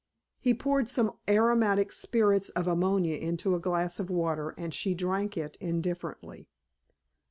He poured some aromatic spirits of ammonia into a glass of water and she drank it indifferently.